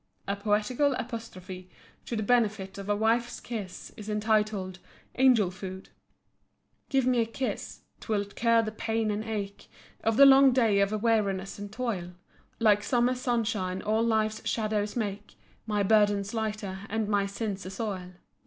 A poetical apostrophe to the benefit of a wife's kiss is entitled "Angel food"; "Give me a kiss, 'twill cure the pain and ache Of the long day of weariness and toil; Like summer sunshine all life's shadows make, My burdens lighter, and my sins assoil."